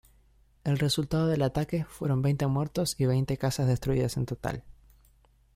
El resultado del ataque fueron veinte muertos y veinte casas destruidas en total.